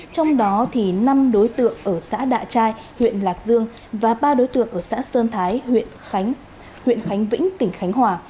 trong đó thì năm đối tượng ở xã đạ trai huyện lạc dương và ba đối tượng ở xã sơn thái huyện khánh vĩnh tỉnh khánh hòa